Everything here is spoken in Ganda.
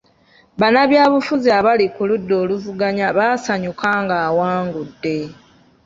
Bannabyabufuzi abali ku ludda oluvuganya baasanyuka ng'awangudde.